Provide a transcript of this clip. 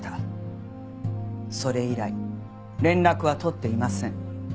それ以来連絡は取っていません。